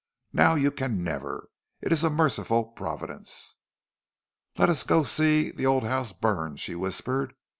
Now you never can. It is a merciful Providence." "Let us go and see the old house burn," she whispered.